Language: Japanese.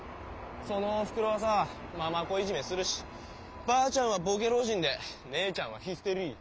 そのおふくろはさまま子いじめするしばあちゃんはボケ老人で姉ちゃんはヒステリー。